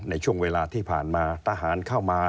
ในช่วงเวลาที่ผ่านมาทหารเข้ามา